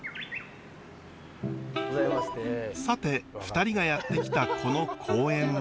さて２人がやって来たこの公園は。